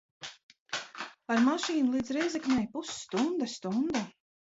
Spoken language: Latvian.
Ar mašīnu līdz Rēzeknei pusstunda, stunda.